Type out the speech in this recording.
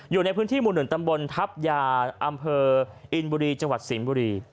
อยู่ในพื้นที่หมู่๑ตำบลทัพยาอำเภออินบุรีจังหวัดสิงห์บุรี